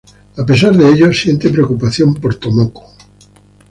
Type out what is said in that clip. A pesar de ello, siente preocupación por Tomoko.